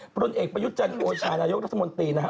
ปรนเอกประยุจจันทร์หัวชายนายกรัศมนตรีนะฮะ